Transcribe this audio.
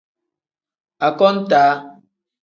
Akontaa.